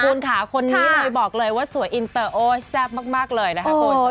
คุณค่ะคนนี้เลยบอกเลยว่าสวยอินเตอร์โอ้ยแซ่บมากเลยนะคะคุณ